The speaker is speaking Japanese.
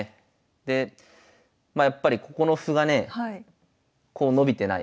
でまあやっぱりここの歩がねこう伸びてない。